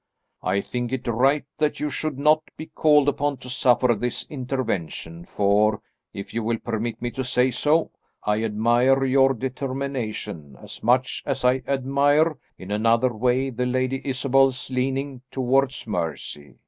I think it right that you should not be called upon to suffer this intervention, for, if you will permit me to say so, I admire your determination as much as I admire, in another way, the Lady Isabel's leaning towards mercy.